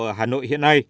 ở hà nội hiện nay